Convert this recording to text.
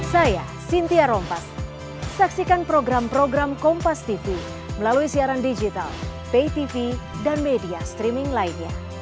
saya cynthia rompas saksikan program program kompas tv melalui siaran digital pay tv dan media streaming lainnya